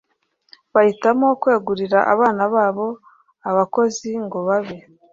Bahitamo kwegurira abana babo abakozi ngo babe